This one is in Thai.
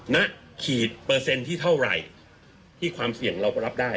ณขีดเปอร์เซ็นต์ที่เท่าไหร่ที่ความเสี่ยงเราก็รับได้